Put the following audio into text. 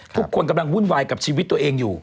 ทุกคนกำลังวุ่นวายกับชีวิตตัวเองอยู่